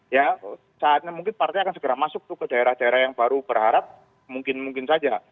ya saatnya mungkin partai akan segera masuk tuh ke daerah daerah yang baru berharap mungkin mungkin saja